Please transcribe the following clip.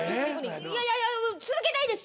いやいや続けたいです。